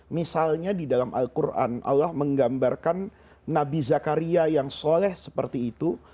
misalnya di dalam al quran allah menggambarkan nabi zakaria yang soleh seperti itu